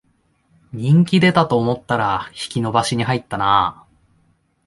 人気出たと思ったら引き延ばしに入ったな